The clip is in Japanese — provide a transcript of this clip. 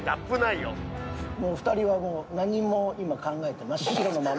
２人はもう何も今考えて真っ白のまま？